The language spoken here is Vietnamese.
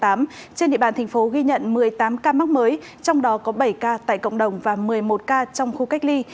trên địa bàn thành phố ghi nhận một mươi tám ca mắc mới trong đó có bảy ca tại cộng đồng và một mươi một ca trong khu cách ly